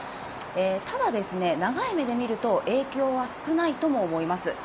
ただ、長い目で見ると、影響は少ないとも思います。